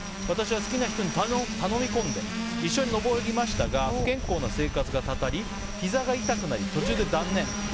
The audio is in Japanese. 私は好きな人に頼み込んで一緒に登りましたが不健康な生活がたたりひざが痛くなり途中で断念。